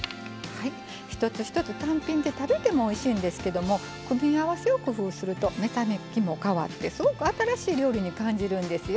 一つ一つ単品で食べてもおいしいんですけど組み合わせを工夫すると目先も変わってすごく新しい料理に感じるんですよ。